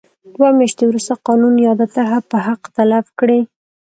دوه میاشتې وروسته قانون یاده طرحه به حق تلف کړي.